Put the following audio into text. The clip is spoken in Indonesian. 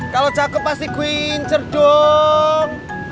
kalau cakep pasti gue ngincer dong